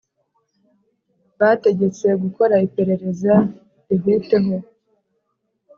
bategetse gukora iperereza rihuteho,